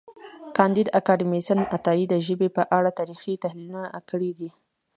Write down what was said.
کانديد اکاډميسن عطایي د ژبې په اړه تاریخي تحلیلونه هم کړي دي.